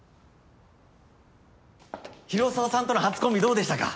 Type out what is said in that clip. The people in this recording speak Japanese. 広沢さんとの初コンビどうでしたか？